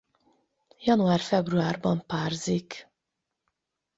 Január-februárban párzik.